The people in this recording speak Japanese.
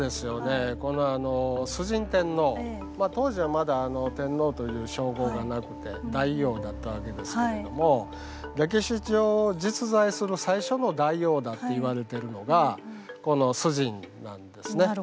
この崇神天皇当時はまだ「天皇」という称号がなくて「大王」だったわけですけれども歴史上実在する最初の大王だって言われてるのがこの崇神なんですね。